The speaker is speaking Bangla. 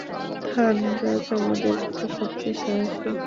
থানরাজ আমাদের মধ্যে সবচেয়ে সাহসী।